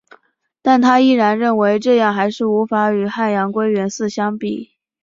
但她依旧认为这样还是无法与汉阳归元寺相比。